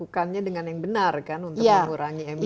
kita lakukannya dengan yang benar kan untuk mengurangi emisi